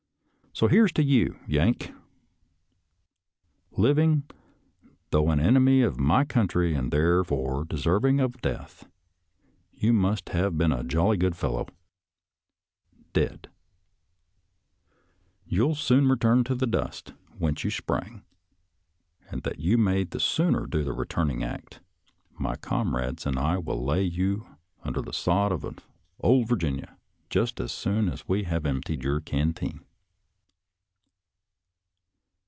So here's to you, Yank! Living, though an enemy of my country and therefore deserving of death, you must have been a jolly good fellow — dead, you'll soon re turn to the dust whence you sprang, and that you may the sooner do the returning act, my com rades and I will lay you under the sod of old Virginia just as soon as we have emptied your canteen."